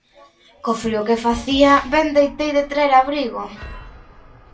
Co frío que facía, ben deitei de traer abrigo.